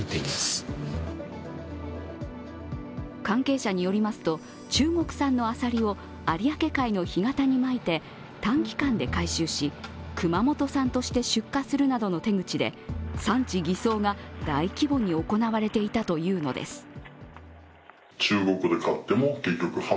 関係者によりますと、中国産のアサリを有明海の干潟にまいて短期間で回収し、熊本産として出荷するなどの手口で、産地偽装が大規模に行われていたというのです。